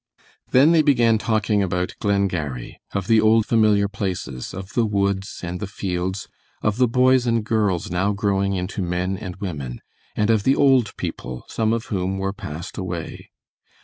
Then they began talking about Glengarry, of the old familiar places, of the woods and the fields, of the boys and girls now growing into men and women, and of the old people, some of whom were passed away.